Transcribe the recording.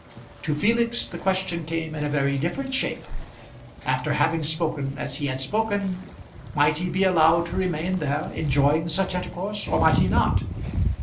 To Felix the question came in a very different shape. After having spoken as he had spoken might he be allowed to remain there, enjoying such intercourse, or might he not?